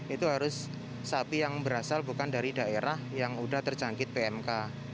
itu harus sapi yang berasal bukan dari daerah yang sudah terjangkit pmk